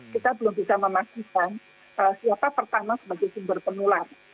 kita belum bisa memastikan siapa pertama sebagai sumber penularan